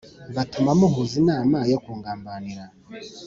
bituma muhuza inama yo kungambanira